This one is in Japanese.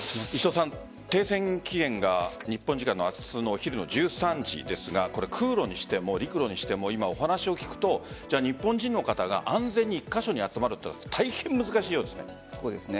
停戦期限が日本時間の明日のお昼１３時ですが空路にしても陸路にしても今、お話を聞くと日本人の方が、安全に１カ所に集まるというのは大変難しいようですね。